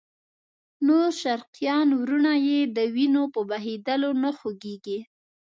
نور شرقیان وروڼه یې د وینو په بهېدلو نه خوږېږي.